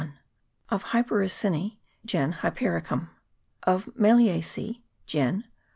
Of Hypericinece gen. Hypericum. Of Meliacece gen.